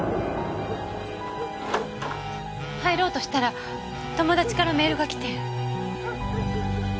入ろうとしたら友達からメールが来て。